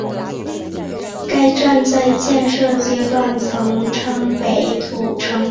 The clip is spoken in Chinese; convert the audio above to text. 该站在建设阶段曾称北土城东路站。